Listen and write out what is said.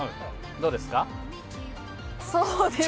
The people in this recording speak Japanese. どうですか？